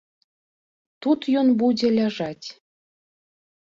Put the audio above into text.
Тут ён будзе ляжаць.